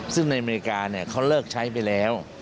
ซึ่งในอเมริกาเขาเลิกใช้ไปแล้ว